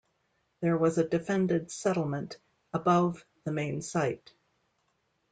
There was a defended settlement above the main site.